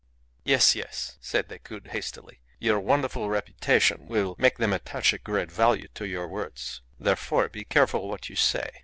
"Yes, yes," said Decoud, hastily. "Your wonderful reputation will make them attach great value to your words; therefore be careful what you say.